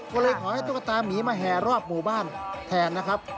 ก็เลยขอให้ตุ๊กตามีรอบบุระบันแทนนะครับ